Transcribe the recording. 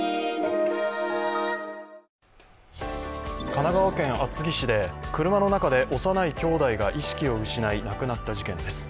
神奈川県厚木市で車の中で幼いきょうだいが意識を失い、亡くなった事件です。